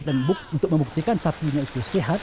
dan untuk membuktikan sapinya itu sehat